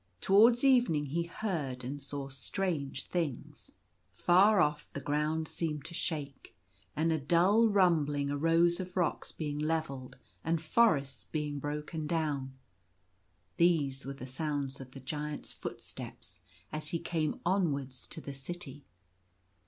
Towards evening he heard and saw strange things. Far off the ground seemed to shake, and a dull rum bling arose of rocks being levelled, and forests being broken down. These were the sounds of the Giant's footsteps, as he came onwards to the city.